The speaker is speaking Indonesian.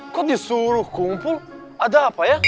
kok disuruh kumpul ada apa ya